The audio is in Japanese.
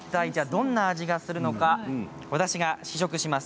いったいどんな味がするのか私が試食します。